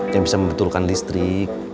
yang bisa membetulkan listrik